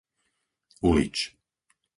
Ulič